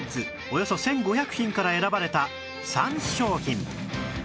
およそ１５００品から選ばれた３商品